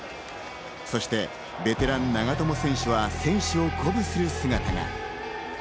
そしてベテランの長友選手は選手を鼓舞する姿が。